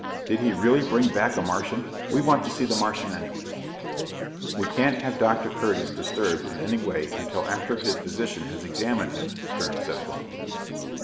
"Did he really bring back a Martian? We want to see the Martian anyway." "We can't have Dr. Curtis disturbed in any way until after his physician has examined him," Stern said bluntly.